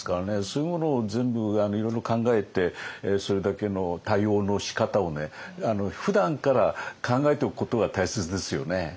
そういうものを全部いろいろ考えてそれだけの対応のしかたをふだんから考えておくことが大切ですよね。